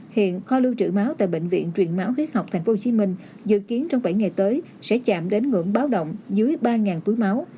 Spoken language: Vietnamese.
hiện kho lưu trữ máu tại bệnh viện truyền máu huyết học tp hcm dự kiến trong bảy ngày tới sẽ chạm đến ngưỡng báo động dưới ba túi máu